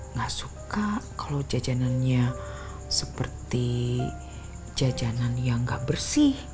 nggak suka kalau jajanannya seperti jajanan yang nggak bersih